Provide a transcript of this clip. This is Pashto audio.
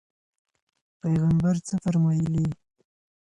پیغمبر څه فرمایلي؟